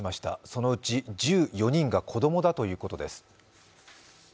そのうち１４人が子供だということです。